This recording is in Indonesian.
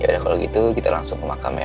ya kalau gitu kita langsung ke makam ya